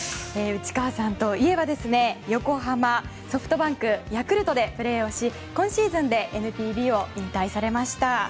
内川さんといえば横浜、ソフトバンク、ヤクルトでプレーをし今シーズンでＮＰＢを引退されました。